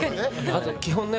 あと基本ね